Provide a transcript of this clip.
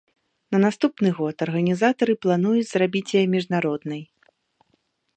На наступны год арганізатары плануюць зрабіць яе міжнароднай.